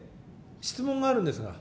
質問があるんですが。